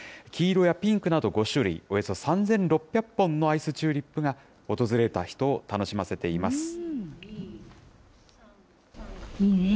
黄色やピンクなど５種類、およそ３６００本のアイスチューリップが、訪れた人を楽しませています。